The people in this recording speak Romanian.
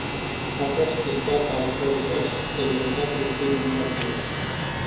A fost testat alcooltest, rezultatul fiind negativ.